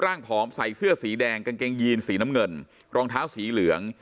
ผอมใส่เสื้อสีแดงกางเกงยีนสีน้ำเงินรองเท้าสีเหลือง